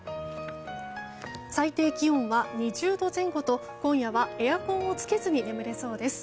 最低気温は２０度前後と今夜はエアコンをつけずに眠れそうです。